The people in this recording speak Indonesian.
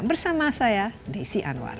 bersama saya desi anwar